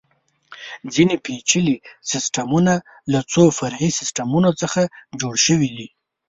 ځینې پېچلي سیسټمونه له څو فرعي سیسټمونو څخه جوړ شوي دي.